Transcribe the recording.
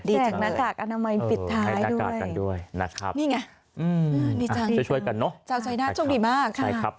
ดีจังเลยนะครับให้ตากากกันด้วยนะครับนี่ไงจะช่วยกันเนอะจ้าวใจด้านชมดีมาก